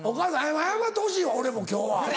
謝ってほしいわ俺も今日は。